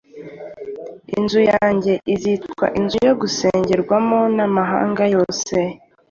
Inzu yanjye izitwa inzu yo gusengerwamo n’amahanga yose.”